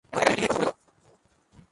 এখন একাডেমির ট্রেনিংয়ের কথা মনে করো।